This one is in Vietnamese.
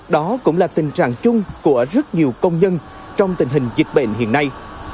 đó cũng là tình trạng chung của rất nhiều công nhân trong tình hình dịch bệnh hiện nay